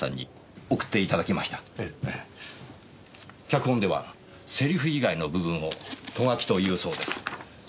脚本では台詞以外の部分をト書きというそうです。